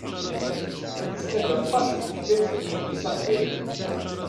Yefka-d aṭas i tutlayt d yidles aqbayli.